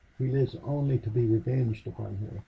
He lives only to be revenged upon her...